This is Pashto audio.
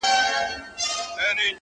يوه نه؛ دوې نه؛ څو دعاوي وكړو؛